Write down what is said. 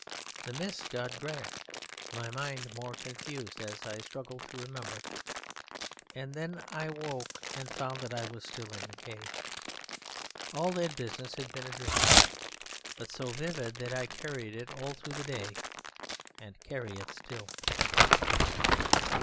The mist got greyer, my mind more confused as I struggled to remember, and then I woke and found I was still in the cave. All that business had been a dream, but so vivid that I carried it all through the day, and carry it still.